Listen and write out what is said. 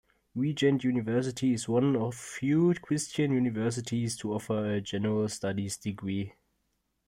Regent University is one of few Christian universities to offer a general studies degree.